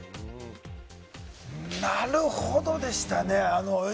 なるほどでしたね。